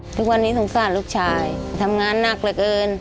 ทุกวันนี้สงสารลูกชายทำงานหนักเหลือเกิน